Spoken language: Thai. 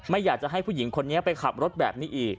อยากจะให้ผู้หญิงคนนี้ไปขับรถแบบนี้อีก